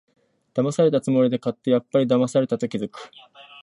だまされたつもりで買って、やっぱりだまされたと気づく